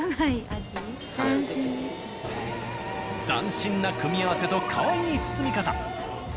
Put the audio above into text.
斬新な組み合わせとかわいい包み方。